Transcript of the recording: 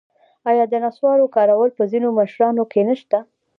آیا د نصوارو کارول په ځینو مشرانو کې نشته؟